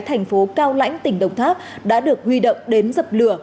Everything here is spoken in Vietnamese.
thành phố cao lãnh tỉnh đồng tháp đã được huy động đến dập lửa